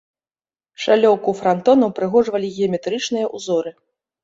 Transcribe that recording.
Шалёўку франтона ўпрыгожвалі геаметрычныя ўзоры.